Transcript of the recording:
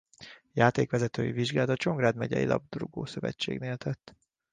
Játékvezetői vizsgát a Csongrád megyei Labdarúgó-szövetségnél tett.